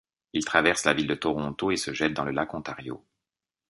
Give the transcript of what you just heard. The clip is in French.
Il traverse la ville de Toronto et se jette dans le lac Ontario.